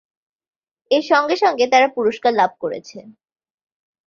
এর সঙ্গে সঙ্গে তারা পুরস্কার লাভ করেছে।